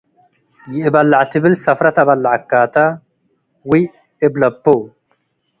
“ይእበለዐ” ትብል ሰፍረ ተበልዐከ ተ፡ ወይእብለፖ